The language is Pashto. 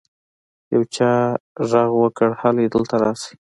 يو چا ږغ وکړ هلئ دلته راسئ.